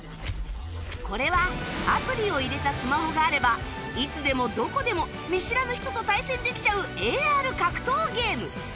これはアプリを入れたスマホがあればいつでもどこでも見知らぬ人と対戦できちゃう ＡＲ 格闘ゲーム